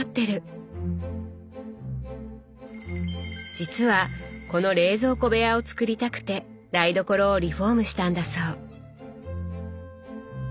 実はこの冷蔵庫部屋を作りたくて台所をリフォームしたんだそう。